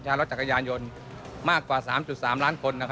รถจักรยานยนต์มากกว่า๓๓ล้านคน